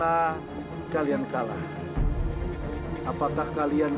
devek sudah melalui pesawat sama ewan